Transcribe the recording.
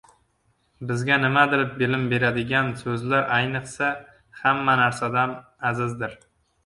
Bizga nimadir bilim beradigan so‘zlar, ayniqsa, hamma narsadan azizdir.